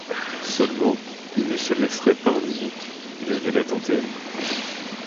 Seulement, il ne se laisserait pas ennuyer, il avait la dent terrible.